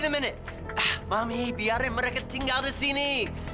mami biarkan mereka tinggal di sini